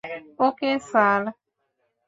ওকে, sir!